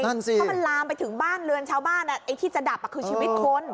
ถ้ามันลามไปถึงบ้านเรือนชาวบ้านไอ้ที่จะดับคือชีวิตคน